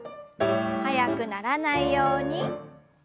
速くならないようにチョキ。